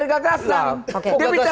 itu gagasan bagian dari gagasan